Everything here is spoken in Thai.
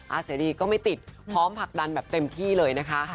เสรีก็ไม่ติดพร้อมผลักดันแบบเต็มที่เลยนะคะ